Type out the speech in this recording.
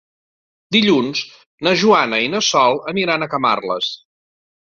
Dilluns na Joana i na Sol aniran a Camarles.